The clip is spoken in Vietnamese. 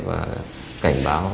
và cảnh báo